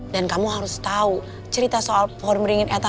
dan kamu harus tau cerita soal formeringin etamu